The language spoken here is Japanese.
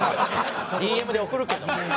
ＤＭで送るけど。